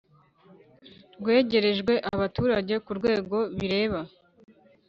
rwegerejwe abaturage ku rwego bireba